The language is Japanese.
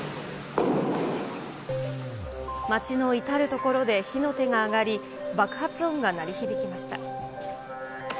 街の至る所で火の手が上がり、爆発音が鳴り響きました。